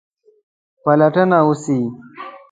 پلټنه وسي.